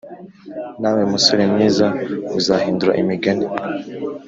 "nawe, musore mwiza, uzahindura imigani?"